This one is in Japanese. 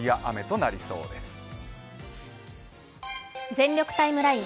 「全力タイムライン」